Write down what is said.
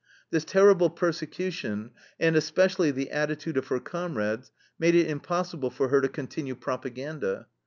This terrible persecution and, especially, the attitude of her comrades made it impossible for her to continue propaganda.